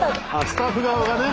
スタッフ側がね。